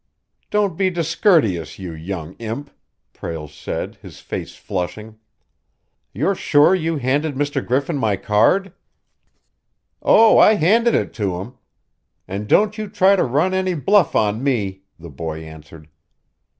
"Don't be discourteous, you young imp!" Prale said, his face flushing. "You're sure you handed Mr. Griffin my card?" "Oh, I handed it to him and don't you try to run any bluff on me!" the boy answered.